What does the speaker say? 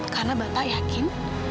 karena bapak yakin